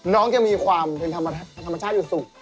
น้องยังมีความเป็นธรรมชาติอยู่สุข